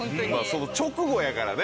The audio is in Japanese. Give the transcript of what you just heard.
直後だからね。